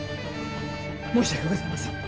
申し訳ございません。